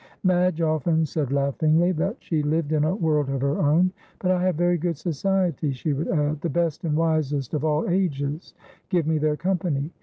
Madge often said laughingly that she lived in a world of her own. "But I have very good society," she would add; "the best and wisest of all ages give me their company.